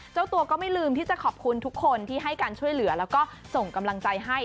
เจ้าตัวก็ไม่ลืมที่จะขอบคุณทุกคนที่ให้การช่วยเหลือแล้วก็ส่งกำลังใจให้